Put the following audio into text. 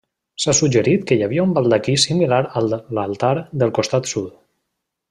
S'ha suggerit que hi havia un baldaquí similar a l'altar del costat sud.